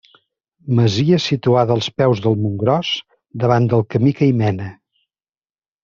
Masia situada als peus del Montgròs, davant del camí que hi mena.